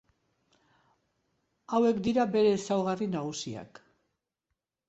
Hauek dira bere ezaugarri nagusiak.